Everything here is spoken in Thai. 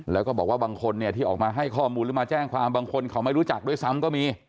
แล้วก็บอกว่าบางคนเนี่ยที่ออกมาให้ข้อมูลหรือมาแจ้งความบางคนเขาไม่รู้จักด้วยซ้ำก็มี